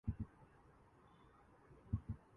تو وہ اس فارمولے کے تحت سماج کی تعبیر کرتے ہیں۔